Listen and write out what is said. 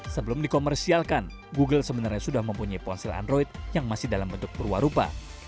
sebelum dikomersialkan google sebenarnya sudah mempunyai ponsel android yang masih dalam bentuk perwarupa